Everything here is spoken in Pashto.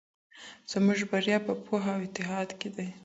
زموږ بریا په پوهه او اتحاد کې ده.